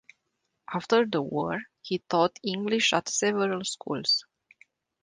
After the war, he taught English at several schools.